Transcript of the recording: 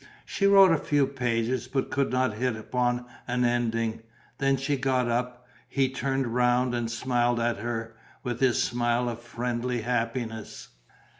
She wrote a few pages but could not hit upon an ending. Then she got up; he turned round and smiled at her, with his smile of friendly happiness.